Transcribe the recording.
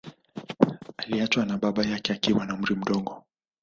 Aliachwa na baba yake akiwa na umri mdogo